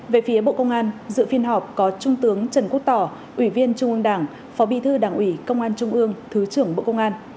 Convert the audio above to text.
về phía bộ công an dự phiên họp có trung tướng trần quốc tỏ ủy viên trung ương đảng phó bí thư đảng ủy công an trung ương thứ trưởng bộ công an